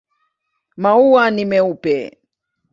Maua ni meupe.